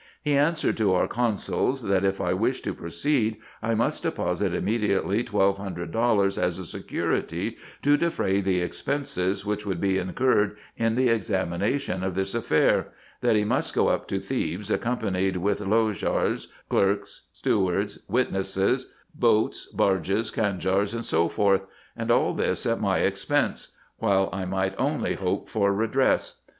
He answered to our consuls, that if I wished to proceed, I must deposit immediately 1200 dollars, as a security to defray the expenses which would be incurred in the examination of this affair ; that he must go up to Thebes accompanied with Lowjars, clerks, stewards, witnesses, beats, barges, canjars, &c. and all this at my expense, while I might only hope for redress.